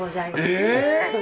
え？